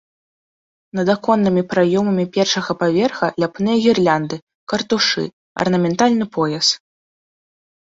Над аконнымі праёмамі першага паверха ляпныя гірлянды, картушы, арнаментальны пояс.